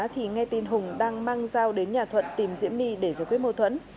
thì nghe tin hùng đang mang dao đến nhà thuận tìm diễm my để giải quyết mâu thuẫn